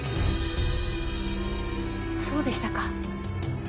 そうでしたか。